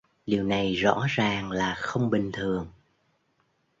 Điều này rõ ràng là không bình thường